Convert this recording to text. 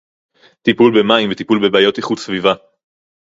טיפול במים וטיפול בבעיות איכות סביבה